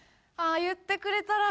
言ってくれたら。